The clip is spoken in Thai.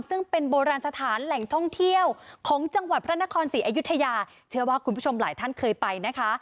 ซึ่งเป็นโบราณสถานแหล่งท่องเที่ยวของจังหวัดพระนครศรีอยุธยาเชื่อว่าคุณผู้ชมหลายท่านเคยไปนะคะ